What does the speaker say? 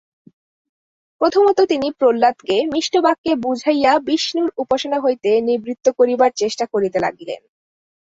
প্রথমত তিনি প্রহ্লাদকে মিষ্ট বাক্যে বুঝাইয়া বিষ্ণুর উপাসনা হইতে নিবৃত্ত করিবার চেষ্টা করিতে লাগিলেন।